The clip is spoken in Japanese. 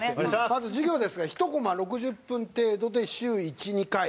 まず授業ですが１コマ６０分程度で週１２回。